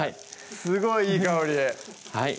すごいいい香りはい